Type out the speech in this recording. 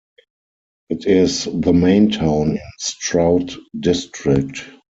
It is the main town in Stroud District.